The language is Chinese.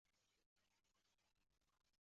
其中愉翠苑占整区人口的大约三分之二。